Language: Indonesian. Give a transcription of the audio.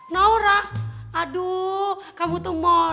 naura aduh kamu tuh modern